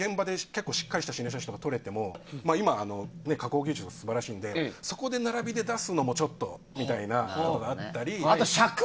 しっかり現場で心霊写真とか撮れても今、加工技術が素晴らしいのでそこで並びで出すのもちょっとみたいなところがあったり。